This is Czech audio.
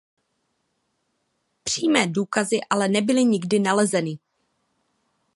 Přímé důkazy ale nebyly nikdy nalezeny.